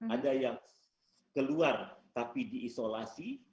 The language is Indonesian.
ada yang keluar tapi diisolasi